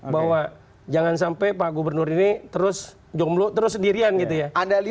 bahwa jangan sampai pak gubernur ini terus jomblo terus sendirian gitu ya